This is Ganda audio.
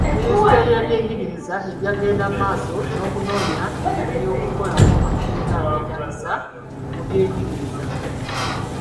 Minisitule y'ebyenjigiriza ejja kugenda mu maaso n'okunoonya engeri z'okukolamu amateeka ageetaagisa mu byenjigiriza.